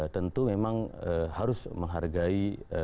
tentu memang harus menghargai